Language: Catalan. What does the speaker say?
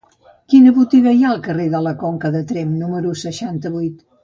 Quina botiga hi ha al carrer de la Conca de Tremp número seixanta-vuit?